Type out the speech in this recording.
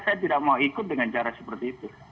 karena saya tidak mau ikut dengan cara seperti itu